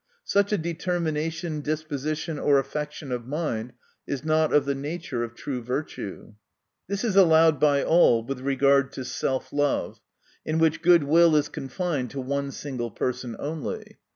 Such a determination, disposition, or affection of mind is not of the nature of true virtue. This is allowed by all with regard to self love ; in which, good will is con fined to one single person only.